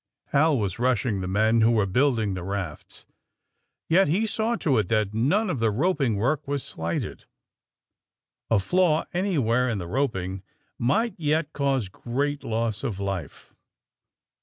'' Hal was rushing the men who were building the rafts. Yet he saw to it that none of the roping work was slighted. A flaw, anywhere, in the roping, might yet cause great loss of life.